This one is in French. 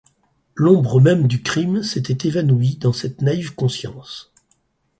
L’ombre même du crime s’était évanouie dans cette naïve conscience.